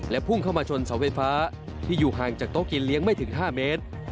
พุ่งเข้ามาชนเสาไฟฟ้าที่อยู่ห่างจากโต๊ะกินเลี้ยงไม่ถึง๕เมตร